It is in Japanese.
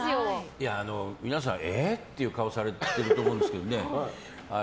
皆さん、えーっていう顔されてると思うんですけど。